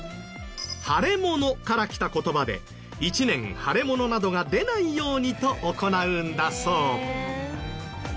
「腫れ物」から来た言葉で一年腫れ物などが出ないようにと行うんだそう。